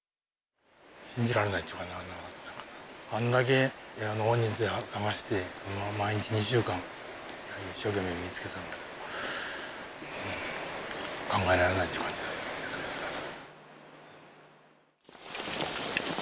信じられないっていうか、あんだけ大人数で捜して、毎日２週間一生懸命見つけたんだけど、考えられないっていう感じですね。